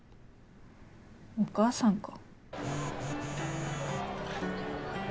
お母さんか？